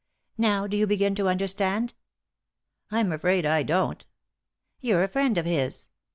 Now, do you begin to understand ?"" I'm afraid I don't." "You're a friend of his."